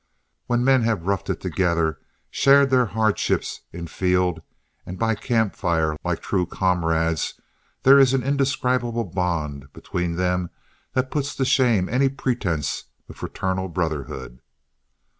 When men have roughed it together, shared their hardships in field and by camp fire like true comrades, there is an indescribable bond between them that puts to shame any pretense of fraternal brotherhood.